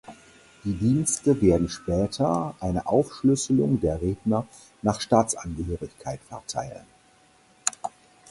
Die Dienste werden später eine Aufschlüsselung der Redner nach Staatsangehörigkeit verteilen.